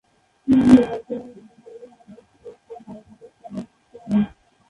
নির্বাচনে তিনি বিজয়ী হন ও জিওফ্রে বয়কটের স্থলাভিষিক্ত হন।